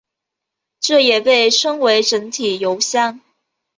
这也被称为整体油箱。